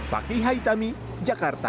fakih haitami jakarta